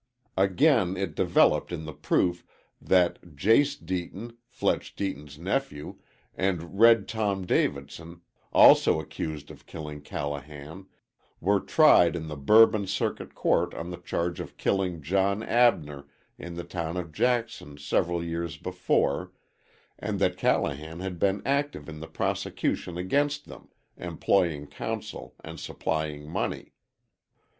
Again it developed in the proof that Jase Deaton, Fletch Deaton's nephew, and Red Tom Davidson, also accused of killing Callahan, were tried in the Bourbon Circuit Court on the charge of killing John Abner in the town of Jackson several years before, and that Callahan had been active in the prosecution against them, employing counsel and supplying money.